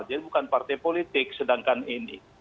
jadi bukan partai politik sedangkan ini